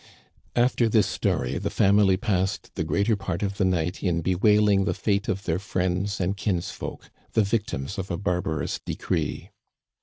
After this story, the family passed the greater part of the night in bewailing the fate of their friends and kins folk, the victims of a barbarous decree.